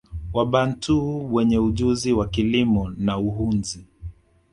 Wabantu wenye ujuzi wa kilimo na uhunzi